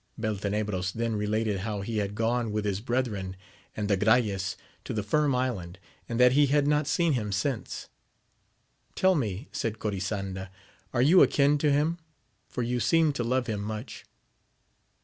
Beltenebros then related how he had gone with his brethren and Agrayes to the Firm Island, and that he had not seen him since. Tell me, said Corisanda, are you akin to him, for you seem to love him much